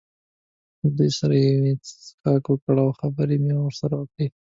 له دوی سره مې یو څه څښاک وکړ او خبرې مې ورسره وکړې.